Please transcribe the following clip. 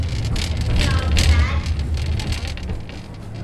Plouescat.